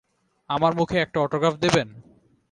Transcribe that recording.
আমার মুখে একটা অটোগ্রাফ দেবেন?